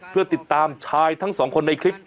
เพื่อติดตามชายทั้งสองคนในคลิป